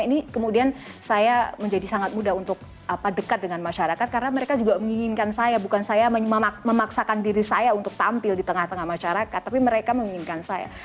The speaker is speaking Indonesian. ini kemudian saya menjadi sangat mudah untuk dekat dengan masyarakat karena mereka juga menginginkan saya bukan saya memaksakan diri saya untuk tampil di tengah tengah masyarakat tapi mereka menginginkan saya